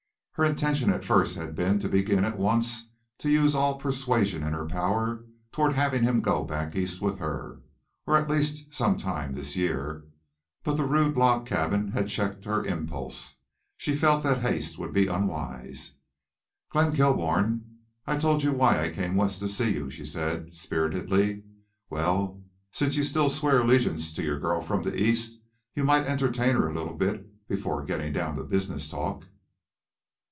Her intention at first had been to begin at once to use all persuasion in her power toward having him go back East with her, or at the latest some time this year. But the rude log cabin had checked her impulse. She felt that haste would be unwise. "Glenn Kilbourne, I told you why I came West to see you," she said, spiritedly. "Well, since you still swear allegiance to your girl from the East, you might entertain her a little bit before getting down to business talk."